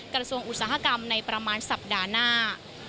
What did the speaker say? กระทรวงอุตสาหกรรมในประมาณสัปดาห์หน้า